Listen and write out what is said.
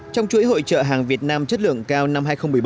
trong chuỗi hội trợ hàng việt nam chất lượng cao năm hai nghìn một mươi bảy